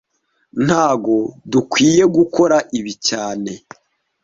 Ntago dukwiye gukora ibi cyane